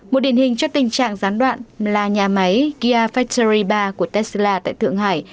một điển hình cho tình trạng gián đoạn là nhà máy kia factory ba của tesla tại thượng hải